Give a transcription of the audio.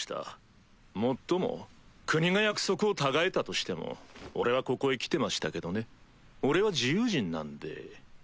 もっとも国が約束をたがえたとしても俺はここへ来てましたけどね俺は自由人なんで。